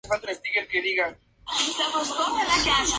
Su capital y ciudad más poblada es Oaxaca de Juárez.